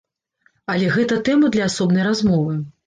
Але гэта тэма для асобнай размовы.